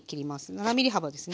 ７ｍｍ幅ですね。